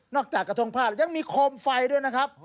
นอกจากกระทงผ้ายังมีโคมไฟด้วยนะครับ